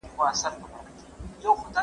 زه به سبا ږغ واورم؟